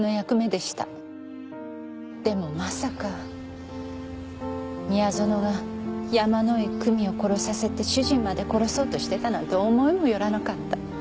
でもまさか宮園が山井久美を殺させて主人まで殺そうとしてたなんて思いもよらなかった。